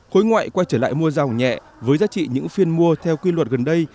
khối ngoại quay trở lại mua dầu nhẹ với giá trị những phiên mua theo quy luật gần đây